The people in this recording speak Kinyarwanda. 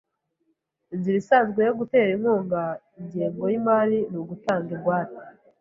Inzira isanzwe yo gutera inkunga ingengo yimari ni ugutanga ingwate.